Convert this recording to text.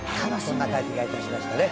そんな感じがいたしましたね